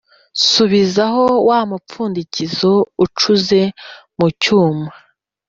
asubizaho wa mupfundikizo ucuze mu cyuma